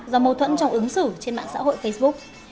do mâu thuẫn trong ứng xử trên mạng xã hội facebook